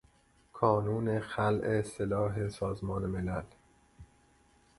کانون خلع سلاح سازمان ملل